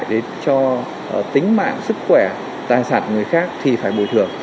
để cho tính mạng sức khỏe tài sản người khác thì phải bồi thường